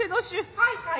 はいはい。